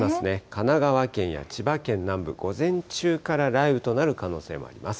神奈川県や千葉県南部、午前中から雷雨となる可能性もあります。